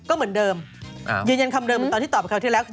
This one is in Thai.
ก็เหมือนเดิมยืนยันคำเดิมตอนที่ตอบคราวที่แล้ว